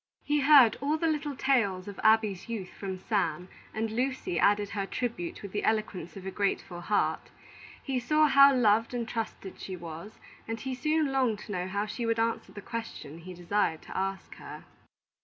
He heard all the little tales of Abby's youth from Sam, and Lucy added her tribute with the eloquence of a grateful heart; he saw how loved and trusted she was, and he soon longed to know how she would answer the question he desired to ask her.